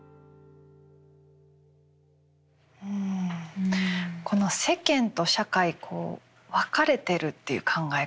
んこの世間と社会こう分かれているっていう考え方